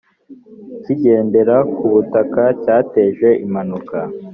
kigendera ku butaka cyateje impanuka